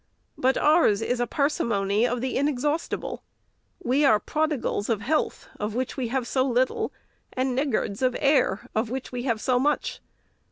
But ours is a parsimony of the inexhaustible. We are prodigals of health, of which we have so little, and niggards of air, of which we have so much.